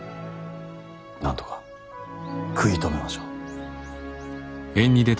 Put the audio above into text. なんとか食い止めましょう。